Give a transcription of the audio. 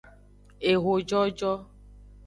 Ehojojo.